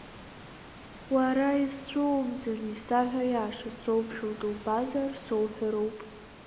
Уара исцәумӡан, исаҳә аиаша, соуԥшәыл дубазар соуҳәароуп.